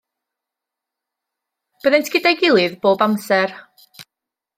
Byddent gyda'i gilydd bob amser.